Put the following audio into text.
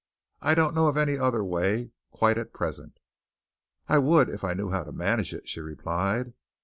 I don't know of any other way quite at present." "I would, if I knew how to manage it," she replied.